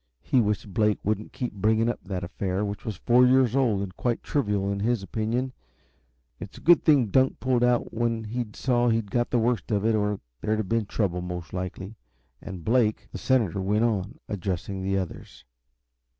He wished Blake wouldn't keep bringing up that affair, which was four years old and quite trivial, in his opinion. It was a good thing Dunk pulled out when he saw he'd got the worst of it, or there'd have been trouble, most likely. And Blake The senator went on, addressing the others.